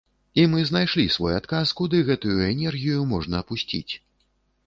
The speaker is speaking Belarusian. І мы знайшлі свой адказ, куды гэтую энергію можна пусціць.